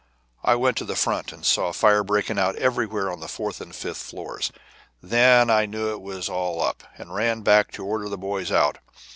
I went to the front, and saw fire breaking out everywhere on the fourth and fifth floors. Then I knew it was all up, and ran back to order the boys out.